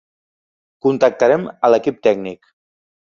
Contactarem a l'equip tècnic.